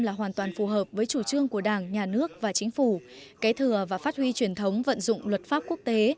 là hoàn toàn phù hợp với chủ trương của đảng nhà nước và chính phủ kế thừa và phát huy truyền thống vận dụng luật pháp quốc tế